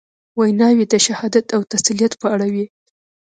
ویناوي د شهادت او تسلیت په اړه وې.